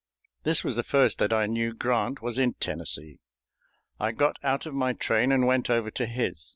This was the first that I knew Grant was in Tennessee. I got out of my train and went over to his.